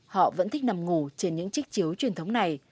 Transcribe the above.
họ vẫn thích nằm ngủ trên những chiếc chiếu truyền thống này